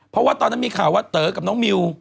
เพราะว่าตอนนั้นมีข่าวว่าเต๋อกับน้องมิว